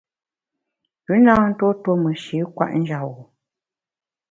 Pü na ntuo tuo meshi’ kwet njap-bu.